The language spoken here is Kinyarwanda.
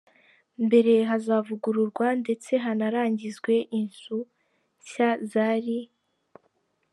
mbere hazavugururwa ndetse hanarangizwe inzu nshya zari